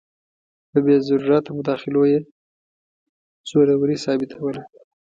په بې ضرورته مداخلو یې زوروري ثابتوله.